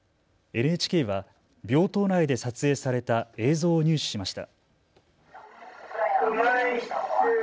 ＮＨＫは病棟内で撮影された映像を入手しました。